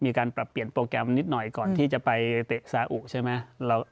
มีการปรับเปลี่ยนโปรแกรมนิดหน่อยก่อนที่จะไปเตะซาอุใช่ไหม